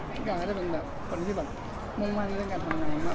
ผมจะเป็นคนที่มุ่งมากขึ้นเรื่องการทำงาน